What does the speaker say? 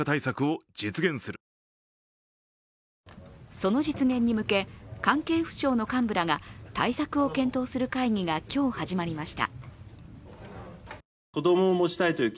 その実現に向け関係府省の幹部らが対策を検討する会議が今日、始まりました。